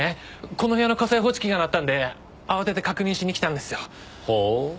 この部屋の火災報知器が鳴ったんで慌てて確認しに来たんですよ。ほう。